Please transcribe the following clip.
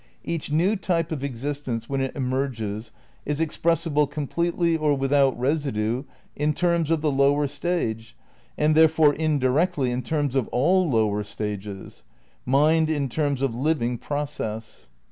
"Each new type of existence when it emerges is expressible com pletely or without residue in terms of the lower stage, and therefore indirectly in terms of all lower stages; mind in terms of living pro cess.